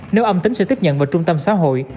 nếu âm tính sẽ tiếp nhận vào trung tâm xã hội